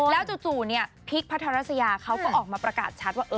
แล้วจู่พีคพัทรัสยาเขาก็ออกมาประกาศชัดว่า